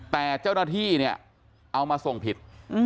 แต่เจ้าหน้าที่เนี่ยเอามาส่งผิด